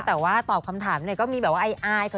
แต่ว่าตอบคำถามเนี่ยก็มีแบบว่าอาย